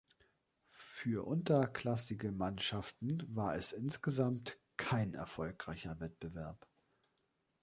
Für unterklassige Mannschaften war es insgesamt kein erfolgreicher Wettbewerb.